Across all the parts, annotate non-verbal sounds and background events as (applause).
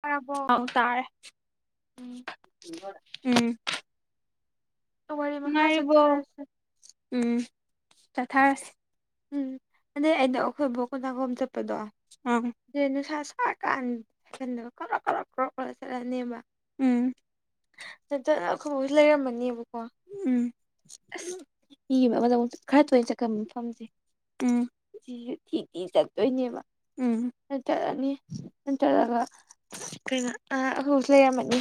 ꯇꯥꯔꯕꯣ ꯍꯥꯎ ꯇꯥꯔꯦ ꯎꯝ ꯎꯝ ꯋꯥꯔꯤ ꯃꯈꯥ ꯅꯥꯏꯔꯤꯕ ꯆꯠꯊꯔꯁꯦ ꯎꯝ ꯆꯊꯥ ꯎꯝ ꯑꯗꯩ ꯑꯩꯅ ꯑꯩꯈꯣꯏꯕꯨ ꯀꯣꯟꯊꯒꯣꯝ ꯆꯠꯄꯗꯣ ꯑ ꯑꯪ ꯅꯨꯡꯁꯥ ꯀꯥꯟꯗꯔ ꯀꯔꯛ ꯈ꯭ꯔ ꯈ ꯆꯠꯂꯅꯦꯕ ꯎꯝ ꯗ ꯑꯩꯈꯣꯏꯕꯨꯁꯨ ꯂꯩꯔꯝꯃꯅꯦꯕꯀꯣ ꯎꯝ ꯑꯁ ꯏ ꯑꯃꯗ ꯑꯃꯨꯛ ꯈꯔ ꯇꯣꯏꯅ ꯆꯠ ꯐꯝꯁꯦ ꯎꯝ ꯊꯤꯊꯤ ꯆꯠꯇꯣꯏꯅꯦꯕ ꯎꯝ ꯆꯠꯂꯅꯤ ꯅꯇꯒ ꯀꯩꯅ ꯑ ꯍꯧꯁꯨ ꯂꯩꯔꯝꯃꯅꯤ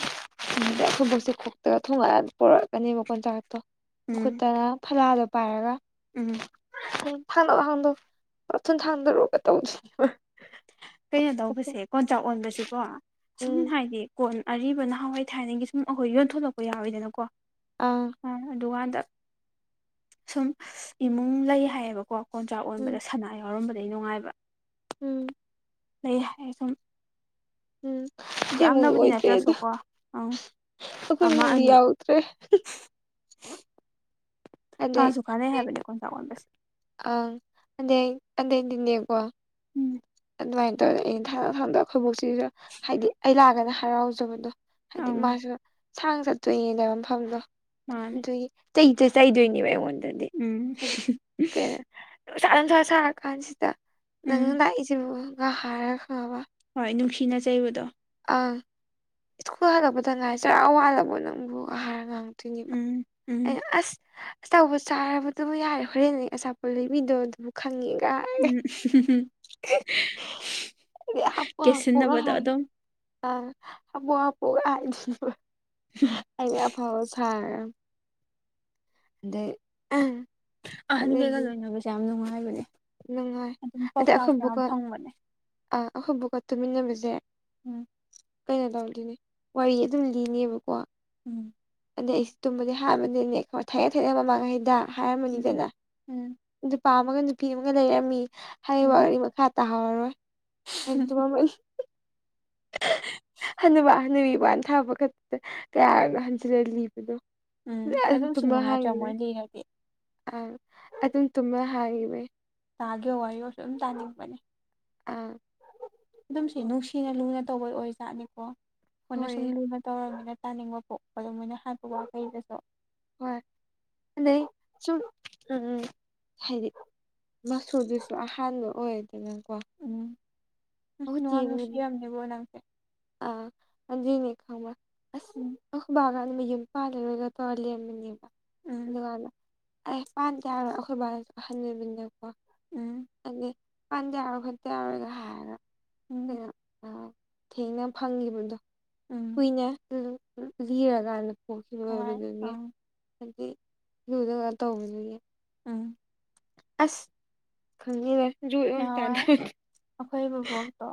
ꯎꯝ ꯑꯗꯩ ꯈꯨꯝꯕꯣꯛꯁꯦ ꯈꯨꯛꯇꯒ ꯊꯨꯡꯉꯥꯟ ꯄꯨꯣꯔꯛꯀꯅꯦꯕ ꯀꯣꯟꯆꯥꯛꯇꯣ ꯎꯝ ꯃꯈꯨꯠꯇꯅ ꯈꯂꯗꯣ ꯄꯥꯏꯔꯒ ꯎꯝ ꯊꯗꯊ ꯊꯗ ꯔꯣ ꯀ ꯇ ꯍꯧ ꯀꯩꯅꯣ ꯇꯧꯕꯁꯦ ꯀꯣꯟꯆꯥꯛ ꯑꯣꯟꯕꯁꯀꯣ ꯁꯨꯝ ꯎꯝ ꯍꯥꯏꯗꯤ ꯀꯣꯟ ꯑꯔꯤꯕ ꯅꯍꯥꯟꯋꯥꯏ ꯊꯥꯏꯅꯒꯤ ꯁꯨꯝ ꯑꯩꯈꯣꯏ ꯌꯣꯟꯊꯣꯛꯂꯛꯄ ꯌꯥꯎꯋꯤꯗꯅꯀꯣ ꯑꯥ ꯑꯗꯨꯀꯥꯟꯗ ꯁꯨꯝ ꯏꯃꯨꯡ ꯂꯩ ꯍꯥꯏꯌꯦꯕꯀꯣ ꯀꯣꯟꯆ꯭ꯔꯥꯛ ꯎꯝ ꯑꯣꯟꯕꯗ ꯁꯅꯥ ꯌꯥꯎꯔꯝꯕꯗ ꯑꯗꯩ ꯅꯨꯡꯉꯥꯏꯕ ꯎꯝ ꯂꯩ ꯍꯥꯏ ꯁꯨꯝ ꯎꯝ ꯍꯦꯃꯨꯡ ꯌꯥꯝꯅꯕꯨꯗꯤ ꯑꯣꯏꯣꯏꯗꯦꯗ ꯅꯠꯇ꯭ꯔꯁꯨꯀꯣ ꯑꯪ ꯑꯩꯈꯣꯏ ꯑꯃ ꯍꯗꯤ ꯑꯅꯤ ꯌꯥꯎꯗ꯭ꯔꯦ ꯑꯗ ꯀꯥꯁꯨ ꯀꯥꯟꯅꯩ ꯍꯥꯏꯕꯅꯦ ꯀꯣꯟꯆꯥꯛ ꯑꯣꯟꯕꯁꯦ ꯑ ꯑꯗ ꯑꯗ ꯇꯟꯅꯀꯣ ꯎꯝ ꯑꯗꯨꯃꯥꯏꯅ ꯇꯧꯔ ꯑꯩꯅ ꯊꯥꯡꯗ ꯊꯥꯡꯗ ꯑꯩꯈꯣꯏꯕꯣꯛꯁꯤꯁꯨ ꯍꯥꯏꯗꯤ ꯑꯩ ꯂꯥꯛꯑꯒꯅ ꯍꯔꯥꯎꯖꯕꯗꯣ ꯍꯥꯏꯗꯤ ꯑꯪ ꯃꯥꯁꯨ ꯁꯥꯡ ꯆꯠꯇꯣꯏꯅꯦꯅꯦꯕ ꯃꯐꯝꯗꯣ ꯃꯥꯅꯦ ꯑꯗꯨꯒꯤ ꯆꯩꯁꯦ ꯆ ꯆꯩꯗꯣꯏꯅꯦꯕ ꯑꯩꯉꯣꯟꯗ ꯎꯝ ꯅꯨꯡꯁꯥ ꯅꯨꯡꯁꯥ ꯁꯥꯔ ꯀꯥꯟꯁꯤꯗ ꯅꯪ ꯎꯝ ꯂꯥꯛꯏꯁꯤꯕꯨ ꯉꯥ ꯍꯥꯏꯔꯒ ꯈꯪꯉꯕ ꯍꯣꯏ ꯅꯨꯡꯁꯤꯅ ꯆꯩꯕꯗꯣ ꯑꯪ ꯁ꯭ꯀꯨꯜ ꯍꯜꯂꯛꯄꯗ ꯉꯥꯏ ꯆꯔꯥ ꯋꯥꯠꯂꯕꯣ ꯅꯪꯕꯨ ꯑꯍꯔ ꯉꯥꯡ ꯊ ꯎꯝ ꯑ ꯎꯝ ꯑꯁ ꯑꯆꯥꯄꯠ ꯆꯥꯔꯕꯗꯨꯕꯨ ꯌꯥꯔꯦ ꯍꯣꯔꯦꯟꯅꯦ ꯑꯆꯥꯄꯣ ꯂꯩꯕꯤꯗꯣ ꯑꯗꯨꯕꯨ ꯈꯪꯉꯦ ꯎꯝꯝꯝ ꯍꯥꯏꯗꯤ ꯀꯦꯁꯤꯟꯅꯕꯗꯣ ꯑꯗꯨꯝ ꯑ ꯍꯕꯨ ꯍꯥꯄꯨ ꯑꯗ ꯑꯗꯐꯥꯎ ꯁꯥꯔ ꯑꯗ ꯑꯍꯟꯒꯩꯒ ꯂꯣꯏꯅꯕꯁꯦ ꯌꯥꯝ ꯅꯨꯡꯉꯥꯏꯕꯅꯦ ꯅꯨꯡꯉꯥꯏ ꯑꯗꯨꯝ ꯑꯗꯤ ꯄꯥꯎꯇꯥꯛꯁꯨ ꯑꯩꯈꯣꯏꯕꯨꯀꯣ ꯌꯥꯝ ꯐꯪꯕꯅꯦ ꯑꯥ ꯑꯩꯈꯣꯏꯕꯨꯀ ꯇꯨꯃꯤꯟꯅꯕꯁꯦ ꯎꯝ ꯀꯩꯅꯣ ꯇꯧꯗꯣꯏꯅꯦ ꯋꯥꯔꯤ ꯑꯗꯨꯝ ꯂꯤꯅꯦꯕꯀꯣ ꯎꯝ ꯑꯗ ꯑꯩꯁꯤ ꯇꯨꯝꯕꯗꯤ ꯍꯥꯏꯕꯅꯤꯅꯦ ꯊꯥꯏꯅ ꯊꯥꯏꯅꯦꯛ ꯃꯃꯥꯡꯉꯩꯗ ꯎꯝ ꯍꯥꯏꯔꯝꯃꯅꯤꯗꯅ ꯎꯝ ꯅꯨꯄꯥ ꯑꯃꯒ ꯅꯨꯄꯤ ꯑꯃꯒ ꯂꯩꯔꯝꯃꯤ ꯍꯥꯏꯔꯤꯕ ꯎꯝ ꯋꯥꯔꯤ ꯃꯈꯥ ꯇꯥꯍꯧꯔꯔꯣꯏ ꯍꯗꯣꯥꯏ ꯍꯅꯨꯃ ꯍꯅꯨꯕꯤ ꯋꯥ ꯊꯥꯕ ꯈꯛꯇ ꯀꯌꯥ ꯆ꯭ꯔꯦ ꯂꯤꯕꯗꯣ ꯎꯝ ꯑꯗꯨꯝ ꯑꯗꯨꯝꯁꯨ ꯇꯨꯝꯃ ꯅꯨꯡꯉꯥꯏꯇ꯭ꯔꯥ ꯍꯥꯡꯉꯤꯅꯦ ꯃꯣꯏ ꯂꯤꯔꯗꯤ ꯑ ꯑꯗꯨꯝ ꯇꯨꯝꯃ ꯍꯥꯏ ꯏꯕ ꯇꯥꯒꯤ ꯋꯥ ꯍꯥꯏꯌꯣ ꯑꯗꯨꯨꯝ ꯇꯥꯅꯤꯡꯕꯅꯦ ꯎꯟ ꯑꯗꯨꯝꯁꯦ ꯅꯨꯡꯁꯤꯅ ꯂꯨꯅ ꯇꯧꯕꯩ ꯑꯣꯏꯖꯥꯠꯅꯤꯀꯣ ꯃꯣꯏꯅ ꯁꯨꯝ ꯍꯣꯏ ꯂꯨꯅ ꯇꯧꯔꯕꯅꯤꯅ ꯇꯥꯅꯤꯡꯕ ꯄꯣ ꯑꯗꯨ ꯃꯣꯏꯅ ꯍꯥꯏꯕꯥ ꯋꯥꯈꯩꯗꯁꯨ ꯍꯣꯏ ꯑꯗꯩ ꯁꯨꯝ ꯎꯝ ꯎ ꯍꯥꯏꯗꯤ ꯃꯆꯨꯗꯨꯁꯨ ꯑꯍꯥꯟꯕ ꯑꯣꯏ ꯀ ꯀ ꯎꯝ ꯑ ꯎꯝ ꯆ ꯌꯥꯝ ꯅꯨꯡꯁꯤꯔꯝꯅꯦꯕꯣ ꯅꯪꯁꯦ ꯑꯗꯨꯏꯅꯦ ꯈꯪꯕꯔꯥ ꯑꯁ ꯎꯝ ꯑꯩꯈꯣꯏ ꯕꯅꯥ ꯑꯗꯨ ꯌꯨꯝ ꯄꯥꯗꯔꯒ ꯇꯧꯂꯃ ꯌꯦꯕ ꯎꯝ ꯑꯗꯨꯒꯀꯥꯟꯂ ꯑꯩ ꯄꯥꯟ ꯒꯦ ꯍꯥꯏꯕꯥ ꯑꯩꯈꯣꯏ ꯕꯥ ꯅꯥ ꯑꯍꯟ ꯑꯣꯏꯕꯅꯤꯅꯥꯀꯣ ꯎꯝ ꯑꯗꯨ ꯄꯟ ꯌꯥꯔꯣꯏ ꯌꯥꯇꯣꯏ ꯈꯠꯇꯦ ꯌꯥꯔꯣꯏꯒ ꯍꯥꯏꯒ ꯎꯝ ꯊꯦꯡꯅ ꯐꯪꯈꯤꯕꯗꯣ ꯎꯝ ꯀꯨꯏꯅ ꯂꯤꯔꯀꯥꯟꯗ ꯀꯣꯛꯁꯤ ꯍꯣꯏ ꯂꯣꯏꯕꯗꯨꯒꯤ ꯑꯪ ꯍꯥꯏꯗꯤ ꯂꯨꯗꯒꯥꯟ ꯇꯧꯕꯗꯨꯒꯤ ꯎꯝ ꯑꯁ ꯈꯪꯉꯦ ꯆ ꯅꯍꯥꯟꯋꯥꯏ ꯑꯩꯈꯣꯏ ꯕꯨꯕꯣꯛꯇꯣ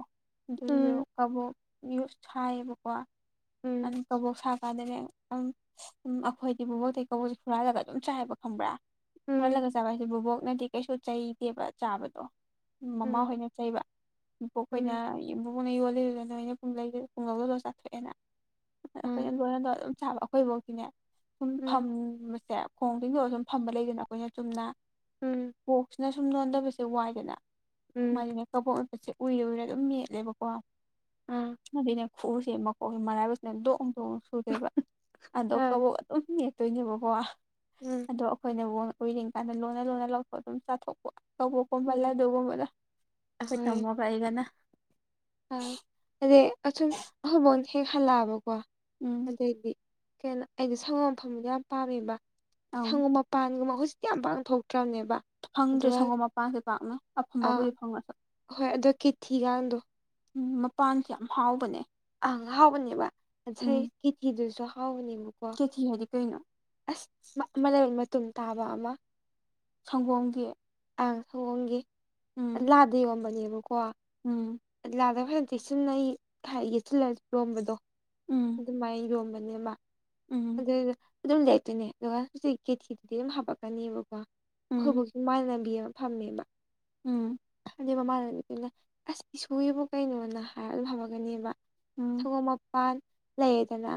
ꯑꯗꯨꯁꯨ ꯀꯕꯣꯛ ꯌꯨ ꯁꯥꯏꯌꯦꯕꯀꯣ ꯎꯝ ꯑꯅꯤ ꯀꯥꯕꯣꯛ ꯁꯥ ꯗ ꯑꯝ ꯑꯩꯈꯣꯏꯗꯤ ꯕꯕꯣꯛ ꯇꯩ ꯀꯕꯣꯛ ꯀꯁꯤ ꯍꯨꯔꯥꯜꯂꯒ ꯑꯗꯨꯝ ꯆꯥꯏꯕ ꯈꯪꯕ꯭ꯔꯥ ꯎꯝ ꯍꯨꯔꯜꯂꯥꯒ ꯆꯥꯕ ꯍꯥꯏꯁꯦ ꯕꯕꯣꯛꯅꯗꯤ ꯀꯩꯁꯨ ꯆꯩꯗꯦꯕ ꯆꯥꯕꯗꯣ ꯃꯃꯥ ꯍꯣꯏꯅ ꯆꯩꯕ ꯏꯕꯣꯛꯈꯣꯏꯅ ꯎꯝ ꯎꯝ ꯅ ꯌꯣꯜꯂꯤꯗꯨꯗ ꯅ ꯑꯣꯏꯩꯅ ꯄꯨꯡꯂꯩꯁꯤ ꯄꯨꯡ ꯂꯧꯗꯗ ꯆꯥꯊꯣꯛꯑꯦꯅ ꯑꯥ ꯑꯩꯈꯣꯏꯅ ꯂꯗꯣꯝ ꯆꯞ ꯆꯥꯕ ꯑꯩꯈꯣꯏ ꯕꯨꯕꯣꯛꯇꯤꯅꯦ ꯁꯨꯝ ꯎꯝ ꯐꯝꯕꯁꯦ ꯈꯣꯡꯇꯤꯡꯊꯣꯛꯂꯒꯥ ꯁꯨꯝ ꯐꯝꯕ ꯂꯩꯗꯅ ꯑꯩꯈꯣꯏꯅ ꯆꯨꯝꯅ ꯎꯝ ꯕꯣꯛꯁꯤꯅ ꯁꯨꯝ ꯅꯣꯟꯗꯕꯁꯦ ꯋꯥꯏꯗꯅ ꯎꯝ ꯃꯥꯅꯦ ꯀꯕꯣꯛ ꯠꯁ ꯎꯏꯅꯥ ꯎꯏꯅꯥ ꯑꯗꯨꯝ ꯃꯦꯠꯂꯦꯕꯀꯣ ꯑꯥ ꯑꯗꯨꯏꯅꯦ ꯈꯨꯔꯁꯦ ꯃꯀꯣꯛꯁꯦ ꯃꯔꯥꯏꯕꯥꯛꯁꯤꯅ ꯗꯣꯡ ꯗꯣꯡ ꯁꯨꯗꯣꯏꯕ ꯑꯗꯣ ꯑꯥ ꯀꯕꯣꯛ ꯑꯗꯨꯝ ꯆꯠꯇꯣꯏꯅꯦꯕꯀꯣ ꯎꯝ ꯑꯗꯣ ꯑꯩꯈꯣꯏꯅꯕꯨ ꯎꯔꯤꯉꯀꯥꯟꯗ ꯂꯣꯟꯅ ꯂꯨꯅ ꯂꯧꯊꯣꯛꯑ ꯑꯗꯨꯝ ꯆꯥꯊꯣꯛꯄ ꯀꯀꯣꯕꯂ ꯎꯝ ꯇꯒꯝꯕꯂꯣꯏ ꯇꯥꯃꯣꯒ ꯑꯩꯒꯅ ꯑ ꯑꯗꯩ ꯑꯁꯨꯝ ꯑꯍꯕꯣꯟ ꯍꯦꯛ ꯍꯜꯂꯛꯑꯕꯀꯣ ꯎꯝ ꯑꯗꯩꯗꯤ ꯀꯩꯅꯣ ꯑꯩꯩꯅ ꯁꯪꯒꯣ ꯃꯐꯝꯗꯣ ꯌꯥꯝ ꯄꯥꯝꯃꯦꯕ ꯑꯪ ꯁꯪꯒꯨꯝ ꯃꯄꯥꯟꯒꯨꯝꯕ ꯍꯧꯖꯤꯛꯇꯤ ꯌꯥꯝ ꯄꯥꯡꯊꯣꯛꯇ꯭ꯔꯦ ꯐꯪꯗ꯭ꯔꯦ ꯁꯪꯒꯣꯝ ꯃꯄꯥꯟꯁꯦ ꯄꯥꯛꯅ ꯑꯥ ꯑꯐꯕꯕꯨꯗꯤ ꯐꯪꯉꯁꯨ ꯍꯣꯏ ꯑꯗꯣ ꯀꯤꯊꯤꯒꯥꯟꯗꯣ ꯎꯝ ꯃꯄꯥꯟꯁꯦ ꯌꯥꯝ ꯍꯥꯎꯕꯅꯦ ꯑ ꯍꯥꯎꯕꯅꯦꯕ ꯉꯁꯥꯏ ꯀꯤꯊꯤꯗꯨꯁꯨ ꯍꯥꯎꯕꯅꯦꯕ ꯒꯤꯊꯤ ꯍꯥꯏꯗꯤ ꯀꯩꯅꯣ ꯑꯁ ꯑꯃꯅ ꯃꯇꯨꯝ ꯇꯥꯕ ꯑꯃ ꯁꯪꯒꯣꯝꯒꯤ ꯑ ꯁꯒꯣꯝꯒꯤ ꯎꯝ ꯂꯥꯗ ꯌꯣꯟꯕꯅꯦꯕꯀꯣ ꯎꯝ ꯂꯥꯗ ꯐꯩ ꯆꯦꯛꯁꯤꯟꯅ ꯑꯩ ꯌꯦꯁꯤꯜꯂ ꯌꯣꯝꯕꯗꯣ ꯎꯝ ꯑꯗꯨꯃꯥꯏꯅ ꯌꯣꯝꯕꯅꯦꯃ ꯎꯝ ꯑꯗꯨꯗ ꯑꯗꯨꯝ ꯂꯩꯇꯣꯏꯅꯦ ꯑꯗꯨꯒ ꯍꯧꯖꯤꯛ ꯀꯦꯊꯤꯗꯨꯗꯤ ꯑꯗꯨꯝ ꯍꯥꯄꯛꯀꯅꯤꯕꯀꯣ ꯎꯝ ꯑꯩꯈꯣꯏꯕꯨꯥꯎꯒꯤꯃꯥꯟ ꯂꯝꯕꯤ ꯑꯃ ꯐꯝꯃꯦꯕ ꯎꯝ ꯑꯗꯩ ꯃꯃꯥꯅꯤꯠꯇꯅꯦ ꯑꯁ ꯏꯁꯣꯔꯒꯤꯕ ꯀꯩꯅꯣꯅ ꯍꯥꯏꯔꯛ ꯑꯗꯨ ꯐꯝꯃꯒꯅꯦꯕ ꯎꯝ ꯎꯝ ꯁꯒꯣꯝ ꯃꯄꯥꯟ ꯂꯩꯌꯦꯗꯅ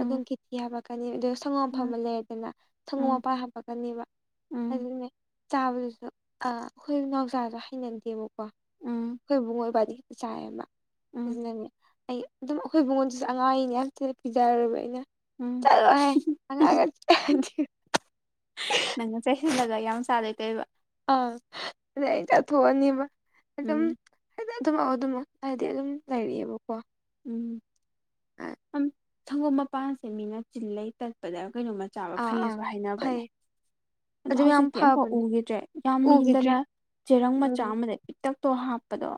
ꯑꯗꯨꯝ ꯀꯤꯊꯤ ꯍꯥꯂꯛꯀꯅꯤ ꯑꯗꯨ ꯁꯪꯒꯣꯝ ꯐꯃ ꯂꯩꯔꯗꯅ ꯁꯪꯒꯣꯝ ꯎꯝ ꯃꯄꯥ ꯍꯥꯄꯛꯀꯅꯦꯕ ꯎꯝ ꯑꯗꯨꯅꯦ ꯆꯥꯕꯗꯨꯁꯨ ꯑ ꯑꯩꯈꯣꯏ ꯅꯥꯎꯆꯥꯥꯁꯨ ꯍꯩꯅꯗꯦꯕꯀꯣ ꯎꯝ ꯑꯈꯣꯏ ꯏꯕꯨꯡ ꯏꯕꯥꯗꯤ ꯆꯥꯏ ꯑꯃ ꯎꯝ ꯗꯨꯅꯅꯦ ꯑꯩ ꯑꯗꯨꯝ ꯑꯩꯈꯣꯏ ꯏꯕꯨꯡꯉꯣꯟꯗꯨꯁꯨ ꯑꯉꯥꯡ ꯑꯅꯤ ꯌꯥꯝ ꯊꯤꯅ ꯄꯤꯖꯔꯕ ꯑꯩꯅ ꯆꯂꯣ ꯍꯥꯏ ꯎꯝ (unintelligible) ꯊꯜꯂꯒ ꯌꯥꯝ ꯁꯥ ꯂꯩꯇꯩꯕ ꯑ ꯑꯗ ꯑꯩ ꯆꯠꯊꯣꯛꯑꯅꯤꯕ ꯑꯗꯨꯝ ꯎꯝ ꯑꯗꯨꯝꯂꯥꯛꯑꫭ ꯑꯗꯨꯝꯂꯥꯛꯑꫭ ꯍꯥꯏꯗꯤ ꯑꯗꯨꯝ ꯂꯩꯔꯤꯛꯑꯦꯕꯀꯣ ꯎꯝ ꯁꯝ ꯁꯪꯒꯣꯝ ꯃꯄꯥꯟꯁꯦ ꯃꯤꯅ ꯆꯤꯜꯂꯩ ꯇꯠꯄꯗ ꯀꯩꯅꯣꯃꯆꯥꯕ ꯑꯥ ꯐꯩꯌꯦꯁꯨ ꯍꯥꯏꯅꯕꯅꯦ ꯐꯩ ꯑꯗꫭ ꯑꯗꯨ ꯌꯥꯝ ꯍꯧꯖꯤꯛꯇꯤ ꯑꯝꯐꯥꯎ ꯐꯕꯅꯦ ꯎꯈꯤꯗ꯭ꯔꯦ ꯌꯥꯝ ꯎꯈꯤꯗ꯭ꯔꯦ ꯏꯟꯗꯅ ꯆꯦꯔꯪ ꯃꯆꯥ ꯎꯝ ꯑꯃꯗ ꯄꯤꯛꯇꯛ ꯇꯣ ꯍꯥꯞꯄꯗꯣ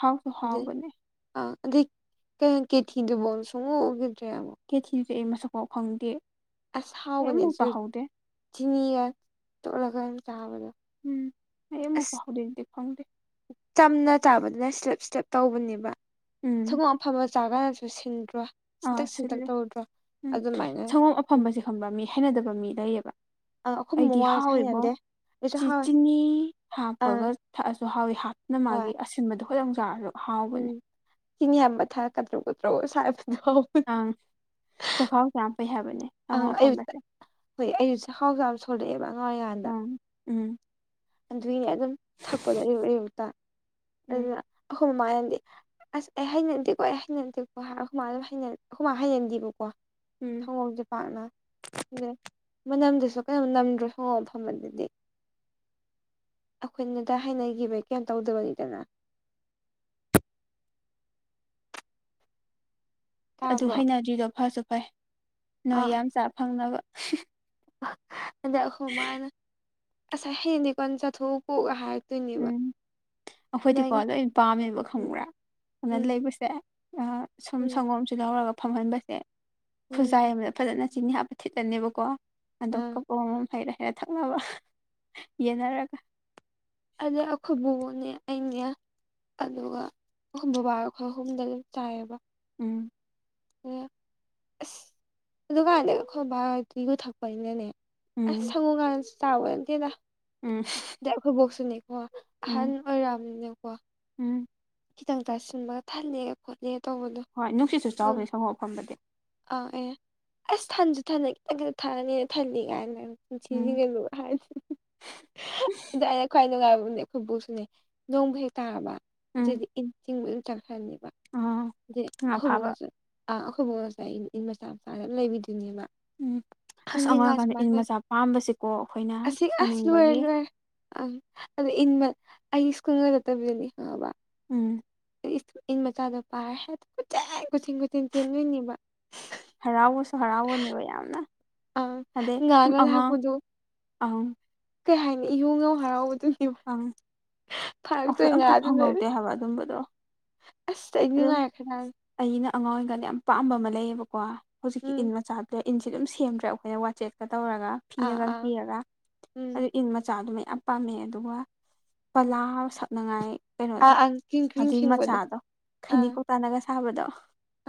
ꯍꯥꯎꯁꯨ ꯍꯥꯎꯕꯅꯦ ꯑꯗꯤ ꯀꯩꯌꯟ ꯀꯦꯊꯤꯗꯨꯕꯝ ꯁꯨꯡꯎ ꯎꯒꯤꯗ꯭ꯔꯦꯑꯕ ꯑꯦ ꯃꯁꯛꯐꯥꯎ ꯐꯪꯗꯦ ꯑꯁ ꯍꯥꯎꯕꯅꯦꯁꯨ ꯆꯤꯅꯤꯒ ꯇꯣꯠꯂꯒ ꯆꯥꯕꯗꯣ ꯎꯝ ꯑꯩ ꯑꯝꯕꯧ ꯑꯁ ꯆꯥꯍꯧꯗꯦ ꯑꯗꯨꯗꯤ ꯆꯝꯅ ꯆꯥꯕꯗꯨꯅ ꯁꯤꯂꯞ ꯁꯤꯂꯞ ꯇꯧꯕꯅꯦꯕ ꯎꯝ ꯁꯪꯒꫭꯝ ꯑꯐꯝꯕꯥ ꯆꯥꯒꯥꯅꯁꯨ ꯁꯤꯟꯗ꯭ꯔꯣ ꯑꯥ ꯁꯤꯟꯇꯛ ꯁꯤꯟꯇꯛ ꯁꯤꯜꯂꯦ ꯇꯧꯗ꯭ꯔꯣ ꯎꯝ ꯑꯗꯨꯃꯥꯏꯅ ꯁꯪꯒꯣꯝ ꯑꯐꯝꯕꯁꯦ ꯈꯪꯕ ꯃꯤ ꯍꯩꯅꯗꯕ ꯃꯤ ꯂꯩꯌꯦꯕ ꯑꯥ ꯑꯩꯈꯣꯏ ꯑꯩꯗꯤ ꯃꯃꯥꯁꯨ ꯍꯥꯎꯋꯦꯕꯣ ꯍꯩꯅꯗꯦ ꯑꯩꯁꯨ ꯆꯤ ꯍꯥꯎꯋꯦ ꯆꯤꯅꯤ ꯍꯥꯞꯄꯒ ꯑꯥ ꯊꯛꯑꯁ ꯗꯨ ꯍꯥꯎꯋꯤ ꯍꯥꯞ ꯅꫭꯏ ꯍꯣꯏ ꯃꯥꯒꯤ ꯑꯁꯤꯟꯕꯗꯣ ꯈꯤꯗꯪ ꯆꯥꯔꯁꯨ ꯍꯥꯎꯕꯅꯦ ꯎꯝ ꯆꯤꯅꯤ ꯑꯕ ꯊꯥ ꯀꯗ꯭ꯔꯧ ꯀꯗ꯭ꯔꯧꯒ ꯁꯥꯏꯕꯗꫭ ꯑꯪ ꯆꯈꯥꯎ ꯆ ꯐꯩ ꯍꯥꯏꯕ ꯑꯪ ꯑꯌꯨꯇ ꯍꫭꯏ ꯑꯩꯖꯨ ꯆꯥꯍꯥꯎꯖꯨ ꯌꯥꯝ ꯁꯣꯂꯛꯑꯦꯕ ꯑꯝ ꯎꯝ ꯑꯗꯨꯏ ꯑꯗꯨꯝ ꯊꯛꯄꯗꯣ ꯑꯌꯨꯛ ꯑꯌꯨꯛꯇ ꯎꯝ ꯑꯗꯨꯅ ꯑ ꯍꯃꯅꯗꯦ ꯑꯁ ꯑꯩ ꯍꯩꯅꯟꯗꯦꯀꯣ ꯑꯩ ꯍꯩꯅꯗꯦꯀꯣ ꯍꯥꯏꯔ ꯍꯨꯃꯥ ꯍꯨꯃꯥ ꯍꯩꯅꯟꯗꯦꯕꯀꯣ ꯎꯝ ꯊꯥꯌꫭꯡꯖꯦ ꯄꯥꯛꯅ‌ ꯗꯦ ꯃꯅꯝꯗꯨꯁꯨ ꯀꯩꯅꯣꯝ ꯅꯝꯗ꯭ꯔꫭ ꯁꯪꯒꫭꯝ ꯑꯐꯝꯕꯗꯨꯗꯤ ꯑꯈꯣꯏꯅꯗꯥ ꯍꯩꯅꯒꯤꯕꯩ ꯀꯦꯝ ꯇꯧꯗꯕꯅꯤꯗꯅ ꯑꯗꯨ ꯇꯥꯕ꯭ꯔꯣ ꯍꯩꯅꯗ꯭ꯔꯤꯗꯣ ꯐꯁꯨ ꯐꯩ ꯅꯣꯏ ꯌꯥꯝ ꯆꯥ ꯐꯪꯅꯕ ꯑꯗꯨ ꯑꯈꯨ ꯑꯈꯣꯏ ꯃꯥꯅ ꯑꯁ ꯑꯩ‌ ꯍꯩꯅꯗꯦꯀꯣ ꯅꯪ ꯆꯠꯊꯣꯛꯎꯀꯣ ꯒ ꯍꯥꯏ ꯗꯨꯏꯅꯦꯋꯥ ꯎꯝ ꯑꯩꯈꯣꯏꯗꯤꯀꯣ ꯂꯣꯏꯅ ꯄꯥꯝꯃꯦꯕ ꯈꯪꯕ꯭ꯔꯥ ꯑꯗꯨꯅ ꯎꯝ ꯂꯩꯕꯁꯦ ꯑ ꯁꯨꯝ ꯎꯝ ꯁꯪꯒꯣꯝꯁꯤꯗ ꯍꯧꯔꯒ ꯐꯝꯍꯟꯕꯁꯦ ꯎꯝ ꯈꯨꯖꯥꯏ ꯑꯃꯗ ꯐꯖꯅ ꯆꯤꯅꯤ ꯍꯥꯞꯄ ꯊꯤꯠꯂꯅꯦꯕꯀꯣ ꯑꯗꯣ ꯑꯥ ꯀꯞ ꯑꯃꯃꯝ ꯍꯩꯔ ꯍꯩꯔ ꯊꯛꯅꯕ ꯌꯦꯟꯅꯔꯒ ꯑꯗ ꯑꯈꯣꯕꫭꯕꫭ ꯅꯦ ꯑꯩꯅꯦ ꯑꯗꯨꯒ ꯑꯍꯨꯝ ꯕꯕꯥꯒ ꯈꯣꯏ ꯑꯍꯨꯝꯗ ꯑꯗꯨꯝ ꯆꯥꯏꯌꯦꯕ ꯎꯝ ꯑꯦ ꯑꯁ ꯑꯗꯨ ꯀꯥꯟꯗ ꯈꯣꯏꯕꯥ ꯍꫭꯏꯗꯤ ꯌꯨ ꯊꯛꯄꯅꯤꯅꯅꯦ ꯎꯝ ꯑꯁ ꯁꯪꯉꯣꯀꯥꯟ ꯇꯥꯕ ꯅꯠꯇꯦꯗ ꯎꯝ ꯂꯩ ꯑꯩꯈꯣꯏꯕꯣꯛꯁꯨꯅꯦꯀꯣ ꯎꯝ ꯑꯍꯟ ꯑꯣꯏꯔꯝꯅꯤꯅꯦꯀꯣ ꯎꯝ ꯈꯤꯇꯪ ꯇꯥꯁꯤꯟꯕꯒ ꯊꯜꯂꯦꯒ ꯈꯣꯠꯂꯦ ꯇꯧꯕꯗꯣ ꯍꯣꯏ ꯅꯨꯡꯁꯤꯠꯁꯨ ꯆꯥꯎꯕꯅꯤ ꯁꯪꯒꫭꯝ‌ ꯑꯐꯝꯕꯗꯤ ꯑꯥ ꯑꯦ ꯑꯁ ꯊꯟꯁꯨ ꯊꯟꯅꯩ ꯅꯪꯒꯤꯗꫭ ꯊꯥꯅꯦ ꯊꯜꯂꯤ ꯒꯥꯏꯅ ꯎꯝ (unintelligible) ꯍꯥꯏꯅꯤ (unintelligible) ꯑꯗ꯭ꯋꯥꯏꯅ ꯈ꯭ꯋꯥꯏ ꯅꯨꯡꯉꯥꯏꯕ ꯑꯗꯨꯅꯦ ꯑꯩꯈꫭꯏꯕꯨꯁꯨꯅꯦ ꯅꯣꯡꯕꯨ ꯍꯦꯛ ꯇꯥꯔꯕ ꯎꯝ ꯑꯗꯨꯗꯤ ꯏꯟ ꯆꯤꯡꯕ ꯑꯗꯨꯝ ꯆꯠꯈ꯭ꯔꯅꯤꯕ ꯑ ꯑꯥ ꯗꯦ ꯉꯥ ꯑꯈꯣꯏ ꯐꯥꯕ ꯕꫭꯛꯅꯁꯨꯅ ꯑꯥ ꯑꯈꯣꯏ ꯕꯣꯛꯅꯁꯨꯅꯦ ꯑꯩ ꯏꯟ ꯃꯆꯥ ꯃꯆꯥ ꯑꯗꯨꯝ ꯂꯩꯕꯤꯗꯣꯏꯅꯦꯕ ꯎꯝ ꯑꯁ ꯈꯪꯖꯤꯡꯒ ꯑꯉꯥꯡꯀꯥꯟꯗ ꯏꯟ ꯁꯨꯃꯥꯏꯅ ꯃꯆꯥ ꯄꯥꯝꯕꯁꯤꯀꯣ ꯑꯩꯈꯣꯏꯅ ꯁꯣꯟꯅꯤꯡꯕꯒꯤ ꯑ ꯑꯗꯨ ꯏꯟꯃ ꯑꯩ ꯁ꯭ꯀꯨꯜ ꯅꯠꯇꯕꯤꯗꯨꯅꯤꯕ ꯈꯪꯪꯉꯕꯥ ꯎꯝ ꯏꯟ ꯃ ꯆꯥꯗꯣ ꯄꯥꯔ ꯍ ꯀꯊꯤꯟ ꯀꯊꯤꯟ ꯇꯦꯟꯗꯣꯏꯅꯦꯕ ꯍꯔꯥꯎꯕꯁꯨ ꯍꯔꯥꯎꯕꯅꯦꯕ ꯌꯥꯝꯅ ꯑꯥ ꯑꯗꯩ ꯉꯥ ꯁꯨꯝ ꯉꯥ ꯑꯉꯥꯡ ꯂꯥꯛꯄꯗꯨꯣ ꯑꯪ ꯀꯩ ꯍꯥꯏꯅꯤ ꯏꯍꯣꯡꯉ ꯍꯔꯥꯎꯕꯗ ꯑꯪ ꯑꯩꯈꯣꯏ ꯐꯥꯔꯛꯇꯣꯏ ꯉꯥ ꯑꯝꯇ ꯑꯗꯨ ꯂꯩꯔ ꯐꯪꯍꯧꯗꯦ ꯍꯥꯏꯕ ꯑꯗꯨꯝꯕꯗꯣ ꯑꯁ ꯑꯗꯨꯝ ꯑꯦꯃ ꯈꯅ ꯑꯩꯅ ꯑꯉꯥꯡ ꯑꯣꯏꯔꯤꯉꯅ ꯌꯥꯝꯅ ꯄꯥꯝꯕ ꯑꯃ ꯂꯩꯌꯦꯕꯀꯣ ꯍꯧꯖꯤꯛꯀꯤ ꯎꯝ ꯏꯟ ꯃꯆꯥꯗꯨꯗ ꯏꯟꯁꯤꯦ ꯑꯗꯨꯝ ꯁꯦꯝꯗ꯭ꯔꯦ ꯑꯩꯈꯣꯏꯅ ꯋꯥꯆꯦꯠꯀ ꯇꯧꯔꯒ ꯑꯥ ꯐꯤꯔꯒ ꯑꯥ ꯀꯤꯔꯒ ꯎꯝ ꯑꯗꯨ ꯏꯟ ꯃꯆꯥꯗꯨꯃ ꯌꯥꯝ ꯄꯥꯝꯃꯦ ꯑꯗꯨꯒ ꯄꯂꯥ ꯎꯝ ꯁꯛꯅꯉꯥꯏ ꯑꯥ ꯀꯩꯅꯣꯗꯣ ꯑꯪ ꯀ꯭ꯔꯤꯡ ꯀ꯭ꯔꯤꯡ ꯑꯗꯨꯏ ꯈꯤꯡꯕꯗꯣ ꯃꯆꯥꯗꯣ ꯈꯩꯅꯤ ꯀꯧꯇꯥꯅꯒ ꯁꯥꯕꯗꯣ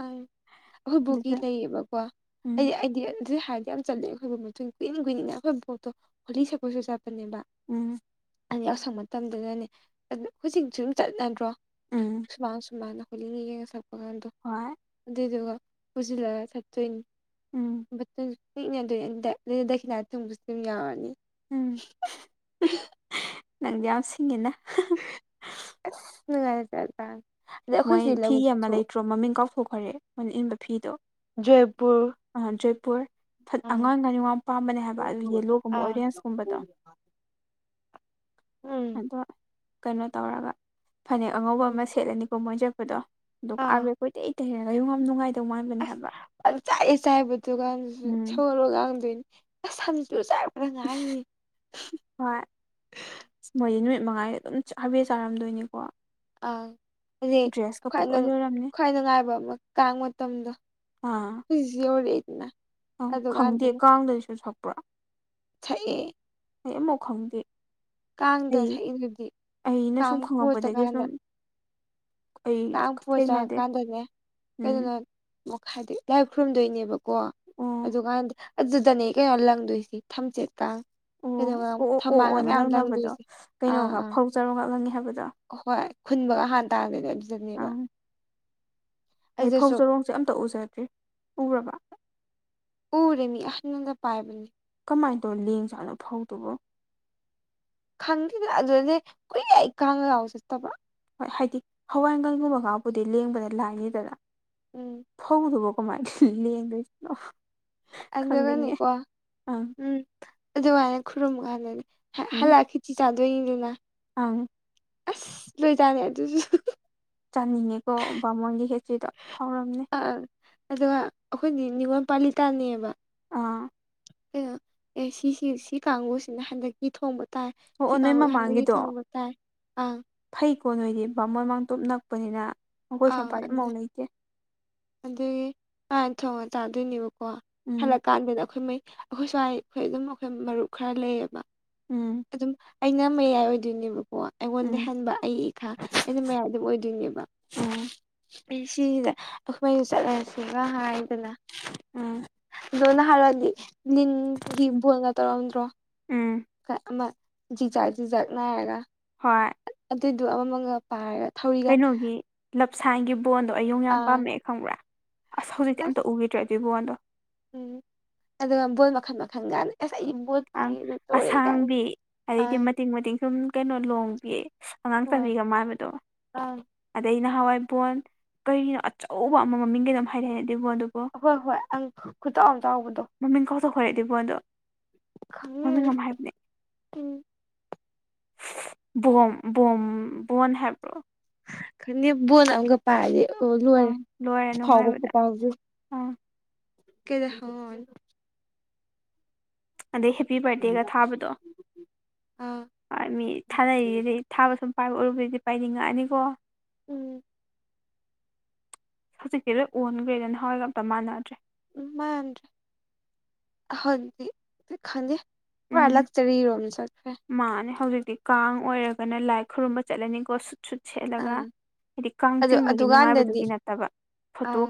ꯑ ꯑꯩꯈꯣꯏ ꯕꯣꯛꯀꯤ ꯑꯗꯨꯁꯨ ꯂꯩꯌꯦꯕꯀꯣ ꯎꯝ ꯑꯩꯗꯤ ꯑꯩꯗꯤ ꯑꯗꯨ ꯍꯥꯏ ꯌꯥꯝ ꯆꯠꯂꯦ ꯑꯩꯈꯣꯏꯕꯨ ꯃꯇꯨꯡ ꯀꯨꯏꯟ ꯀꯨꯏꯅꯤꯅ ꯑꯩꯈꯣꯏꯕꯣꯠꯇꯣ ꯍꯣꯂꯤ ꯁꯛꯄꯁꯨ ꯆꯠꯄꯅꯦꯕ ꯎꯝ ꯌꯥꯎꯁꯪ ꯃꯇꯝꯗꯨꯗꯅꯦ ꯑꯗꯨ ꯍꯧꯖꯤꯛꯁꯨ ꯑꯗꯨꯝ ꯆꯠꯅꯗ꯭ꯔꯣ ꯎꯝ ꯁꯨꯃꯥꯡ ꯁꯨꯃꯥꯡꯅꯣ ꯀꯂꯤꯅ ꯌꯦꯡꯉ ꯁꯛꯄ ꯀꯥꯟꯗꯣ ꯍꯣꯏ ꯑꯗꯨꯏꯗꯨꯒ ꯄꯨꯁꯤꯜꯂꯒ ꯆꯠꯇꯣꯏꯅꯤ ꯎꯝ ꯁꯨ ꯑꯗꯨꯝ ꯌꯥꯔꯅꯤ (inaudible) ꯎꯝ ꯅꯪꯗꯤ ꯌꯥꯝ ꯁꯤꯡꯉꯤꯅ ꯅꯨꯡꯉꯥꯏ ꯆꯠ ꯊ ꯃꯣꯏ ꯐꯤ ꯑꯃ ꯂꯩꯇ꯭ꯔꯣ ꯃꯃꯤꯡ ꯀꯥꯎꯊꯣꯛꯈ꯭ꯔꯦ ꯃꯣꯏꯅ ꯏꯟꯕ ꯐꯤꯗꯣ ꯖꯣꯏꯄꯨꯔ ꯑ ꯆ ꯄꯔ ꯑꯉꯥꯡ ꯑꯅꯤ ꯋꯥꯝ ꯄꯥꯝꯕꯅꯦ ꯍꯥꯏꯕ ꯑꯗꯨ ꯌꯦꯜꯂꯣꯒꯨꯝꯕ ꯑꯥ ꯑꯣꯔꯦꯟꯖꯀꯨꯝꯕꯗꯣ ꯎꯝ ꯑꯗꯣ ꯀꯩꯅꯣ ꯇꯧꯔꯒ ꯐꯅꯦꯛ ꯑꯉꯧꯕ ꯎꯝ ꯑꯃ ꯁꯦꯠꯂꯅꯤ ꯃꯣꯏ ꯆꯠꯄꯗꯣ ꯑꯗꯨ ꯑꯥꯔꯕꯦ ꯑꯥ ꯀꯣꯏꯩ ꯍꯔꯨ ꯌꯥꯝ ꯉꯥꯏꯦ ꯑꯁ ꯑ ꯆꯥꯏꯑꯦ ꯆꯥꯏꯕꯗꯨꯒꯗꯨꯁꯨ ꯎꯝ ꯁꯧꯜꯂꯣꯒꯗꯣꯏꯅꯤ ꯑꯁ ꯇꯨ ꯆꯥꯏꯕꯅ ꯉ ꯍꯥꯏꯅꯤ ꯃꯉꯥꯏ ꯑꯗꯨꯝ ꯍꯥꯏꯐꯦꯠ ꯆꯥꯔꯝꯗꯣꯏꯅꯤꯀꯣ ꯑꯪ ꯑꯗꯨꯗꯤ ꯗ꯭ꯔꯦꯁꯀ ꯄꯨꯡꯂꯣꯏ ꯈꯋꯥꯏ ꯂꯣꯏꯔꯝꯅꯤ ꯈ꯭ꯋꯥꯏ ꯅꯨꯡꯉꯥꯏꯕ ꯀꯥꯡ ꯃꯇꯝꯗꯣ ꯐ ꯑ ꯈꯪꯗꯦ ꯀꯥꯡꯗꯁꯨ ꯊꯛꯄ꯭ꯔꯥ ꯁꯛꯑꯦ ꯑꯩ ꯑꯃꯐꯥꯎ ꯈꯪꯗꯦ ꯀꯥꯡꯗ ꯑꯩ ꯊꯛꯏꯗꯨꯗꯤ ꯑꯩꯅ ꯁꯨꯝ ꯀꯥꯡ ꯈꯪꯉꯛꯄꯗꯒꯤ ꯄꯣꯠꯇꯀꯥꯟꯗ ꯁꯨꯝ ꯑꯩ ꯀꯥꯡ ꯐ ꯆꯥ ꯊꯦꯡꯅꯗꯦ ꯀꯥꯟꯗꯅꯦ ꯎꯝ ꯀꯩꯗꯅꯣ ꯃꯈꯥꯏꯗꯤ ꯂꯥꯏ ꯈꯨꯔꯨꯝꯗꯣꯏꯅꯦꯕꯀꯣ ꯑꯣ ꯑꯗꯨꯀꯥꯟꯗ ꯑꯗꯨꯗꯅꯦ ꯀꯩꯅꯣ ꯂꯪꯗꯣꯏꯁꯤ ꯊꯝꯆꯦꯠꯀ ꯀꯩꯅꯣꯒ ꯊꯝꯕꯥꯜꯅ ꯃꯌꯥꯝ ꯪꯅꯕꯗꯣ ꯂꯪꯗꯣꯏꯁꯦ ꯀꯩꯅꯣ ꯐꯧꯖꯔꯣ ꯉꯥꯛꯂꯪꯉꯦ ꯍꯥꯏꯕꯗꯣ ꯑ ꯍꯣꯏ ꯈꯨꯟꯕꯒ ꯍꯥꯟꯅ ꯇꯥꯗꯤꯩ ꯂꯣꯏꯝꯖꯅꯦꯕ ꯑꯪ ꯑꯩ ꯐꯧ ꯆꯔꯣꯡꯁꯦ ꯑꯝꯇ ꯎꯖꯗ꯭ꯔꯤ ꯎꯔꯕ ꯎ ꯔꯦꯃꯤ ꯑꯍꯅꯗ ꯄꯥꯏꯕ ꯀꯃꯥꯏꯅ ꯇꯧ ꯂꯦꯡꯖꯥꯠꯅꯣ ꯐꯧꯗꯨꯕ ꯈꯪꯗꯦꯗꯅ ꯑꯗꯨꯗꯗꯤ ꯀꯨꯏ ꯑꯩ ꯈꯥꯡꯉꯒ ꯂꯥꯎꯁꯤ ꯇꯕ ꯍꯣꯏ ꯍꯥꯏꯗꯤ ꯍꯋꯥꯏꯪꯒꯪꯒꯨꯝꯕꯒꯕꯨꯗꯤ ꯂꯦꯡꯕꯗ ꯂꯥꯏꯅꯤꯗꯅ ꯎꯝ ꯐꯧꯗꯨꯕꯨ ꯃꯥꯥꯏꯡ ꯀꯁꯅꯣ ꯑꯗꯒꯅꯤꯀ ꯑꯪ ꯎꯝ ꯑꯗꯨꯃꯥꯏꯅ ꯈꯨꯔꯨꯝꯃꯀꯥꯟꯗꯅꯤ ꯎꯝ ꯍꯜꯂꯛ ꯈꯤꯇꯤ ꯆꯥꯗꯣꯏꯅꯤꯗꯅ ꯑꯪ ꯑꯁ ꯂꯣꯏꯖꯅꯤ ꯑꯗꯨꯁꯨ ꯆꯥꯅꯤꯡꯉꯦꯀꯣ ꯕꯥꯃꯣꯟꯒꯤ ꯍꯦꯇ꯭ꯔꯤꯗꯣ ꯍꯧꯥꯎꯔꯝꯅꯦ ꯑꯥ ꯑꯗꯨꯒ ꯑꯩꯈꯣꯏꯗꯤ ꯅꯤꯉꯣꯣꯟꯜ ꯄꯥꯂꯤꯇꯥꯅꯦꯕ ꯑꯥ ꯀꯩꯅꯣ ꯑꯦ ꯁꯤꯁꯤ ꯁꯤ ꯀꯥꯡꯕꯨꯁꯤꯅ ꯍꯟꯗꯛꯀꯤ ꯊꯣꯡꯕ ꯇꯥꯏ ꯑꯣ ꯁꯤ ꯑꯣ ꯅꯣꯏ ꯀꯥꯡꯕꯨꯅ ꯍꯟꯗꯛꯀꯤ ꯃꯃꯥꯡꯒꯤꯗꯣ ꯊꯣꯡꯕ ꯇꯥꯏ ꯑꯪ ꯐꯩꯀꯣ ꯅꯣꯏꯗꯤ ꯕꯥꯃꯣꯟ ꯃꯥꯡꯇꯣꯞ ꯅꯛ ꯂꯥꯛꯄꯅꯤꯅ ꯑꯩꯈꯣꯏ ꯁꯝ ꯑꯪ ꯄꯥꯏꯔꯤꯦꯠ ꯑꯗꯨ ꯃꯥꯎ ꯂꯩꯇꯦ ꯑ ꯊꯣꯡꯉ ꯆꯥꯗꯣꯏꯅꯦꯕꯀꯣ ꯎꯝ ꯍꯜꯂꯛꯀꯥꯟꯥꯟꯕꯗ ꯑꯩꯈꯣꯏ ꯃꯩ ꯑꯩꯈꯣꯏ ꯁ꯭ꯋꯥꯏ ꯑꯩꯈꯣꯏ ꯑꯗꯨꯝ ꯑꯩꯈꯣꯏ ꯃꯔꯨꯞ ꯈꯔ ꯂꯩꯌꯦꯕ ꯎꯝ ꯑꯗꯨꯝ ꯑꯩꯅ ꯃꯌꯥꯏ ꯑꯣꯏꯗꯣꯏꯅꯦꯕꯀꯣ ꯑꯩꯉꯣꯟꯗ ꯎꯝ ꯍꯟꯕ ꯑꯩꯏ ꯏꯈꯥ ꯑꯩꯅ ꯃꯌꯥꯏ ꯑꯗꯨꯝ ꯑꯣꯏꯗꯣꯏꯅꯦꯕ ꯎꯝ ꯑꯩ ꯁꯤꯁꯤꯗ ꯑꯩꯈꯣꯏꯃꯩ ꯆꯠꯂꯁꯤꯕ ꯍꯥꯏꯗꯅ ꯎꯝ ꯑꯣꯅ ꯍꯥꯏꯔꯛꯗꯤ ꯂꯤꯟꯒꯤ ꯕꯣꯣꯟꯅ ꯇꯧꯔꯝꯗ꯭ꯔꯣ ꯎꯝ ꯑꯃ ꯖꯤ ꯆꯥ ꯆ ꯖꯠꯅꯥ ꯍꯥꯏꯒ ꯍꯣꯏ ꯑꯗꯨꯏꯗꯨꯣ ꯑꯃꯃꯒ ꯄꯥꯏꯔꯒ ꯊꯧꯔꯤꯒ ꯀꯩꯅꯣꯒꯤ ꯂꯞꯁꯥꯡꯒꯤ ꯕꯣꯟꯗꯣ ꯑꯩꯌꯨꯛ ꯌꯥꯝ ꯑꯥ ꯄꯥꯝꯃꯛꯑꯦ ꯈꯪꯕ꯭ꯔꯥ ꯑꯁ ꯍꯧꯖꯤꯛꯇꯤ ꯑꯝꯇ ꯎꯈꯤꯗ꯭ꯔꯦ ꯑꯗꯨꯏ ꯕꯣꯟꯗꯣ ꯎꯝ ꯑꯗꯨꯒ ꯕꯣꯏ ꯃꯈꯜ ꯃꯈꯜꯒ ꯉꯁꯥꯏ ꯑ ꯑꯁꯥꯡꯕꯤ ꯑꯗꯩꯗꯤ ꯑꯪ ꯃꯇꯦꯛ ꯃꯇꯦꯛ ꯁꯨꯝ ꯀꯩꯅꯣ ꯂꯣꯡꯕꯤ ꯑꯉꯥꯡ ꯆꯥꯕꯤ ꯍꯣꯏ ꯥꯏꯕꯗꯣ ꯑꯪ ꯑꯗꯩ ꯅꯍꯥꯟꯋꯥꯏꯕꯣꯟ ꯀꯔꯤꯒꯤꯅꯣ ꯑꯆꯧꯕ ꯑꯃ ꯃꯃꯤꯡꯒꯤ ꯑꯗꯨꯝ ꯍꯥꯏꯔꯛꯑ ꯍꯣꯏ ꯍꯣꯏ ꯑꯪ ꯈꯨꯇ ꯑꯃ ꯆꯥꯎꯥꯎꯕ ꯃꯃꯤꯡ ꯀꯥꯎꯊꯣꯛꯈꯣꯔꯗꯤꯕꯣꯟꯗꯣ ꯃꯃꯤꯡ ꯑꯃ ꯍꯥꯏꯕꯅꯦ ꯇꯨꯡ ꯣꯝ ꯣꯝ ꯣꯣꯟ ꯍꯥꯏꯦꯕ꯭ꯔꯣ ꯈꯗ ꯕꯣꯟ ꯑꯃꯒ ꯄꯥꯏꯔꯗꯤ ꯂꯣꯏꯔꯦ ꯑꯪ ꯂꯣꯏꯔꯦ ꯐꯥꯎꯕ ꯅꯨꯡꯉꯥꯏꯕꯗ ꯈꯄꯥꯎꯁꯦ ꯑꯪ ꯀꯦꯗ ꯍ ꯑꯗꯩ ꯍꯦꯞꯄꯤ ꯕꯥꯔꯗꯦꯒ ꯊꯥꯕꯗꯣ ꯑꯥ ꯃꯤ ꯊꯥꯅꯔꯤ ꯑꯗꯩ ꯊꯥꯕ ꯁꯨꯝ ꯄꯥꯏꯕ ꯎꯔꯨꯕꯗꯨꯗꯤ ꯄꯥꯏꯅꯤꯡꯉꯛꯑꯅꯤꯀꯣ ꯎꯝ ꯍꯧꯖꯤꯛꯇꯤ ꯂꯣꯏ ꯑꯣꯟꯈ꯭ꯔꯦꯗ ꯅꯍꯥꯟꯋꯥꯏꯒ ꯑꯝꯇ ꯃꯥꯟꯅꯗ꯭ꯔꯦ ꯃ ꯍꯗꯤ ꯈꯥꯡꯗꯦ ꯄꯨꯔꯥ ꯎꯝ ꯂꯛꯆꯔꯤꯔꯣꯝ ꯆꯠꯈ꯭ꯔꯦ ꯃꯥꯅꯦ ꯍꯧꯖꯤꯛꯇꯤ ꯀꯥꯡ ꯑꯣꯏꯔꯒꯅ ꯂꯥꯏ ꯈꯨꯔꯨꯝꯕ ꯆꯠꯂꯅꯤꯀꯣ ꯁꯨꯠ ꯁꯦꯠꯂꯒ ꯑꯥ ꯍꯥꯏꯗꯤ ꯀꯥꯡ ꯑꯗꯨ ꯆꯤꯡꯕꯒꯤ ꯑꯗꯨꯀꯥꯟꯗꯗꯤ ꯅꯨꯡꯉꯥꯏꯕꯗꯨꯒꯤ ꯅꯠꯇꯕ ꯐꯣꯇꯣ ꯑꯥ